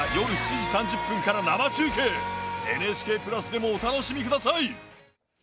ＮＨＫプラスでもお楽しみください。